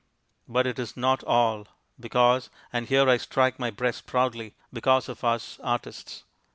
_" But it is not all, because and here I strike my breast proudly because of us artists.